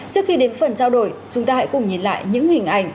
trước khi đến phần trao đổi chúng ta hãy cùng nhìn lại những hình ảnh